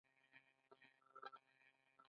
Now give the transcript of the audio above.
ایا ستاسو نقاشي طبیعي نه ده؟